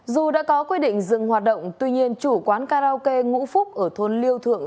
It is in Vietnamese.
dù đã có quy định dừng hoạt động tuy nhiên chủ quán karaoke ngũ phúc ở thôn liêu thượng